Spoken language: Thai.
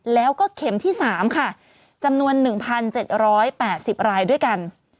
แล้วก็เข็มที่๓ค่ะจำนวน๑๗๘๐รายด้วยกัน